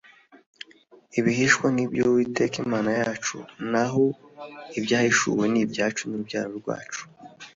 "Ibihishwe ni iby'Uwiteka Imana yacu, naho ibyahishuwe ni ibyacu n'urubyaro rwacu''-.